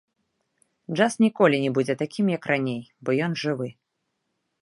Джаз ніколі не будзе такім, як раней, бо ён жывы.